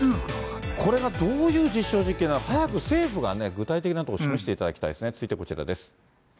これがどういう実証実験なのか、早く政府が具体的になんとか示していただきたいですね。